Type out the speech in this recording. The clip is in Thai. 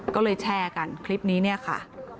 ก็เลยแชร์กันคลิปนี้เนี่ยค่ะ